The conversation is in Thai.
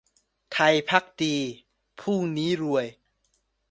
ไทยภักดีพรุ่งนี้รวย